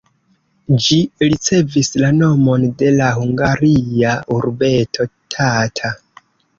Ĝi ricevis la nomon de la hungaria urbeto Tata.